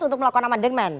untuk melakukan amandemen